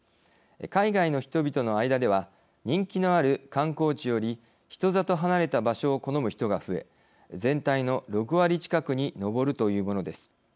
海外の人々の間では人気のある観光地より人里離れた場所を好む人が増え全体の６割近くに上るというものです。